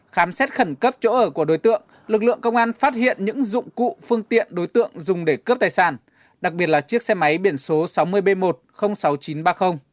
khám xét khẩn cấp chỗ ở của đối tượng lực lượng công an phát hiện những dụng cụ phương tiện đối tượng dùng để cướp tài sản đặc biệt là chiếc xe máy biển số sáu mươi b một trăm linh sáu nghìn chín trăm ba mươi